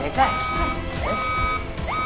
はい。